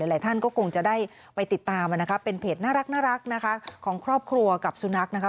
หลายท่านก็คงจะได้ไปติดตามนะคะเป็นเพจน่ารักนะคะของครอบครัวกับสุนัขนะคะ